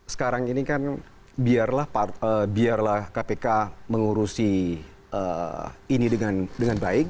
sekarang ini kan biarlah kpk mengurusi ini dengan baik